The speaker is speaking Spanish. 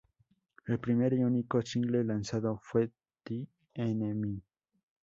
El primer y único single lanzado fue "The Enemy".